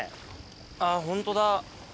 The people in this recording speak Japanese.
あっホントだ。